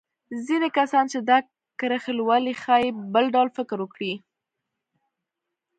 ځينې کسان چې دا کرښې لولي ښايي بل ډول فکر وکړي.